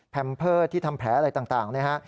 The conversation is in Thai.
เพอร์ที่ทำแผลอะไรต่างนะฮะ